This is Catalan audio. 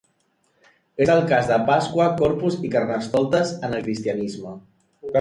És el cas de Pasqua, Corpus, i Carnestoltes, en el cristianisme.